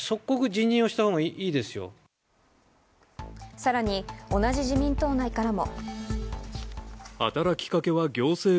さらに、同じ自民党内からも。